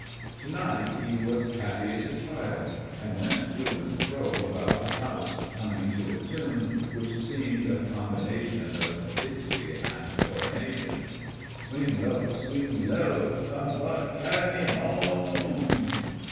To night he was as happy as a child, and went to and fro about the house humming, to a tune which seemed a combination of "Dixie" and "Coronation" "Swing low, swing low Comin' fer ter carry me ho o ome."